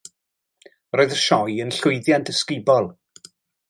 Roedd y sioe yn llwyddiant ysgubol.